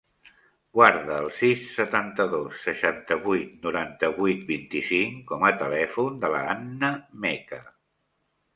Guarda el sis, setanta-dos, seixanta-vuit, noranta-vuit, vint-i-cinc com a telèfon de la Hannah Meca.